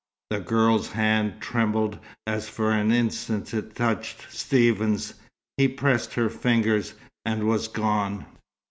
The girl's hand trembled as for an instant it touched Stephen's. He pressed her fingers, and was gone.